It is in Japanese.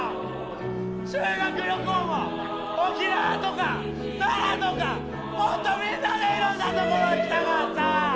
修学旅行も沖縄とか奈良とか、もっとみんなでいろんなところ行きたかった。